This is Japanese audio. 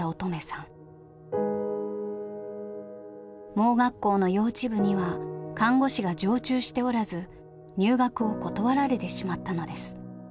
盲学校の幼稚部には看護師が常駐しておらず入学を断られてしまったのです。